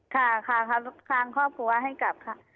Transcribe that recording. ค่ะค่ะทางครอบครัวให้กลับค่ะ